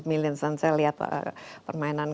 millions dan saya lihat permainan itu